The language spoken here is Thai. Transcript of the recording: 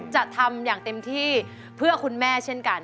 จะทำอย่างเต็มที่เพื่อคุณแม่เช่นกัน